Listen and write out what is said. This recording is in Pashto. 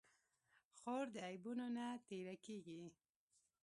خور د عیبونو نه تېره کېږي.